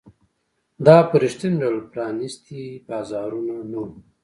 دا په رښتیني ډول پرانیستي بازارونه نه وو.